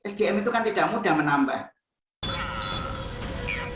sdm itu kan tidak mudah menambah